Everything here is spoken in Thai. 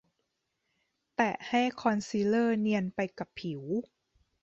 แตะให้คอนซีลเลอร์เนียนไปกับผิว